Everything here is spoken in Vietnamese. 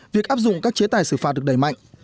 việc áp dụng các chế tài xử phạt được đẩy mạnh